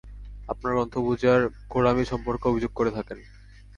আপনারা গ্রন্থপূজার গোঁড়ামি সম্পর্কে অভিযোগ করে থাকেন।